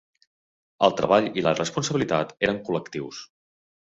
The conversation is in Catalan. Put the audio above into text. El treball i la responsabilitat eren col·lectius.